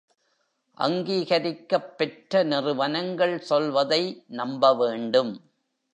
அங்கீகரிக்கப் பெற்ற நிறுவனங்கள் சொல்வதை நம்பவேண்டும்.